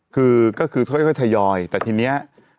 คือก็คือค่อยทยอยแต่ทีนี้